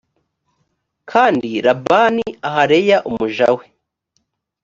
kandi labani aha leya umuja we